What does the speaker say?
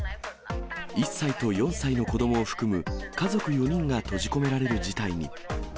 １歳と４歳の子どもを含む家族４人が閉じ込められる事態に。